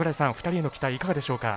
２人への期待いかがでしょうか。